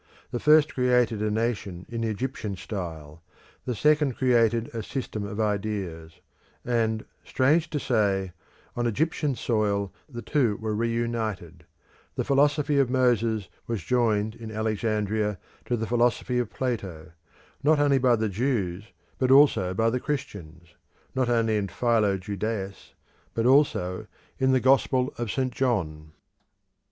The first created a nation in the Egyptian style; the second created a system of ideas; and, strange to say, on Egyptian soil the two were reunited: the philosophy of Moses was joined in Alexandria to the philosophy of Plato, not only by the Jews, but also by the Christians; not only in Philo Judaeus, but also in the Gospel of St. John.